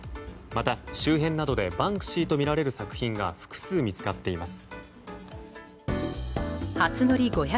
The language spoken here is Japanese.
また、周辺などでバンクシーとみられる作品が複数見つかっています。